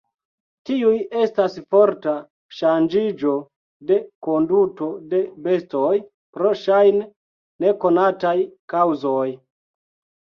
Tiuj estas forta ŝanĝiĝo de konduto de bestoj, pro ŝajne nekonataj kaŭzoj.